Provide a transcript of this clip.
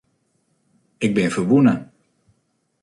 Ik bin ferwûne.